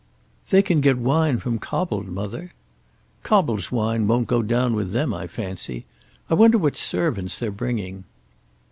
"They can get wine from Cobbold, mother." "Cobbold's wine won't go down with them I fancy. I wonder what servants they're bringing."